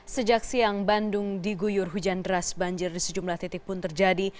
sejak siang bandung diguyur hujan deras banjir di sejumlah titik pun terjadi